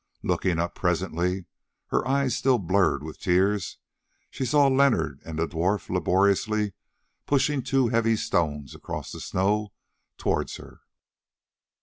Looking up presently, her eyes still blurred with tears, she saw Leonard and the dwarf laboriously pushing two heavy stones across the snow towards her.